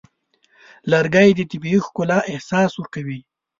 لرګی د طبیعي ښکلا احساس ورکوي.